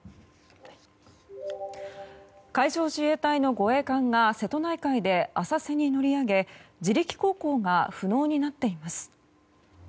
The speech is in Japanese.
海上自衛隊の護衛艦が瀬戸内海で浅瀬に乗り上げ自力航行が不能になっています。